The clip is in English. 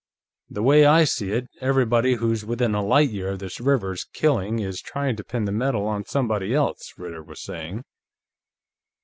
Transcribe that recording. "The way I see it, everybody who's within a light year of this Rivers killing is trying to pin the medal on somebody else," Ritter was saying.